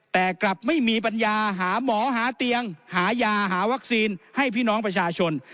แต่กลับไม่มีปัญญาหาหมอหาเตียงหายาหาวัคซีนให้พี่น้องประชาชน